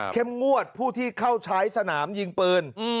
งวดผู้ที่เข้าใช้สนามยิงปืน